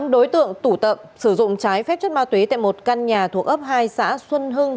tám đối tượng tủ tậm sử dụng trái phép chất ma túy tại một căn nhà thuộc ấp hai xã xuân hưng